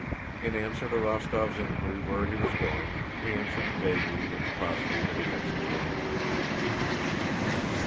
In answer to Rostóv's inquiry where he was going, he answered vaguely and crossly that he had some business.